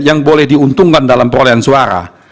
yang boleh diuntungkan dalam perolehan suara